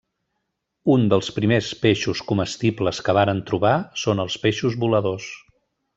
Un dels primers peixos comestibles que varen trobar són els peixos voladors.